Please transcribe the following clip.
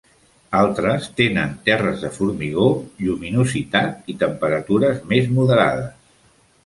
Altres tenen terres de formigó, lluminositat i temperatures més moderades.